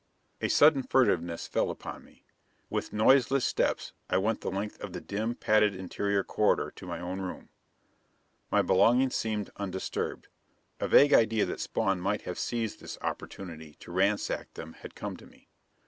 A sudden furtiveness fell upon me. With noiseless steps I went the length of the dim, padded interior corridor to my own room. My belongings seemed undisturbed; a vague idea that Spawn might have seized this opportunity to ransack them had come to me.